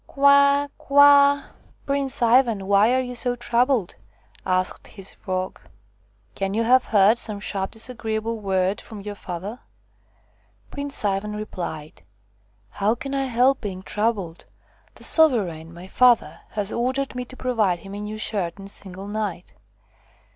"Kwa kwa! Prince Ivan, why are you so troubled 1 " asked his Frog. " Can you have heard some sharp disagreeable word from your father ?" Prince Ivan replied: "How can I help being troubled 1 The sovereign, my father, has ordered me to provide him a new shirt in a single night."